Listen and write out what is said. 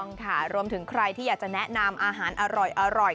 ค่ะรวมถึงใครที่อยากจะแนะนำอาหารอร่อย